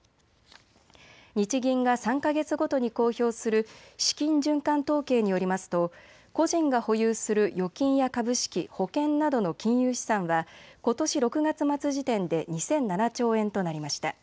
日銀が３か月ごとに公表する資金循環統計によりますと個人が保有する預金や株式、保険などの金融資産はことし６月末時点で２００７兆円となりました。